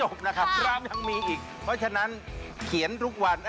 ร้านยังไม่จบนะครับร้านยังมีอีกเพราะฉะนั้นเขียนทุกวัน